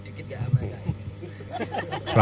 dikit gak aman pak